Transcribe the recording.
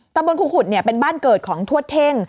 ตำบลครูขุดเป็นบ้านเกิดของทวดเท่ง